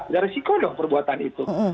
ada resiko dong perbuatan itu